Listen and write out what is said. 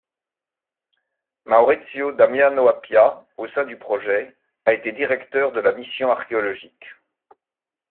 Maurizio Damiano-Appia, au sein du projet, a été directeur de la mission archéologique.